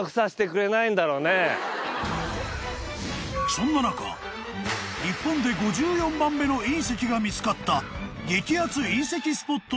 ［そんな中日本で５４番目の隕石が見つかった激熱隕石スポット